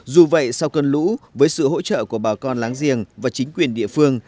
dù vậy sau cơn lũ với sự hỗ trợ của bà con láng giềng và chính quyền địa phương